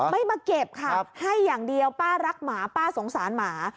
ไม่มาเก็บค่ะให้อย่างเดียวป้ารักหมาป้าสงสารหมา